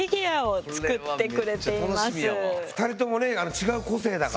２人ともね違う個性だから。